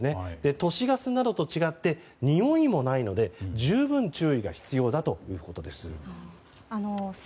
都市ガスなどと違ってにおいもないので十分、注意が必要だということです。